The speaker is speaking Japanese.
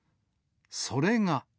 それが。